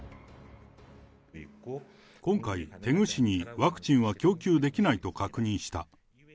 今回、テグ市にワクチンは供給できないと確認した。